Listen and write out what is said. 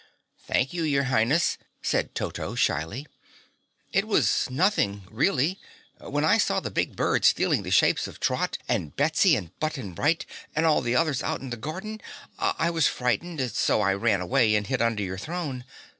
"Thank you, your Highness," said Toto shyly. "It was nothing, really. When I saw the big birds stealing the shapes of Trot and Betsy and Button Bright and all the others out in the garden, I was frightened so I ran and hid under your throne.